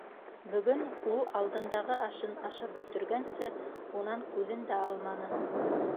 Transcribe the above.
Бөгөн ул алдындағы ашын ашап бөтөргәнсе унан күҙен дә алманы.